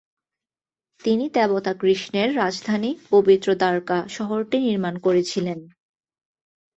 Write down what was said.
তিনি দেবতা কৃষ্ণের রাজধানী পবিত্র দ্বারকা শহরটি নির্মাণ করেছিলেন।